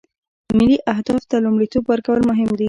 ملي اهدافو ته لومړیتوب ورکول مهم دي